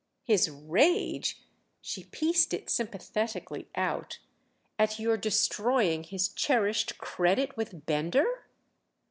"His rage"—she pieced it sympathetically out—"at your destroying his cherished credit with Bender?"